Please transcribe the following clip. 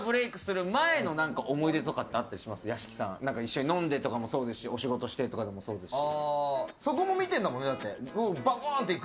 屋敷さん、一緒に飲んでとかでもそうですし、お仕事してとかでもそうですし。